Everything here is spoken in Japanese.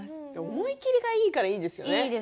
思い切りがいいからいいですよね。